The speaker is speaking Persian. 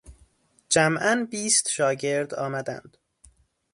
جمعا بیست شاگرد آمدند.